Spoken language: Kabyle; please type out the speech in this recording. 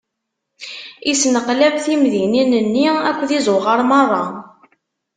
Isneqlab timdinin-nni akked izuɣar meṛṛa.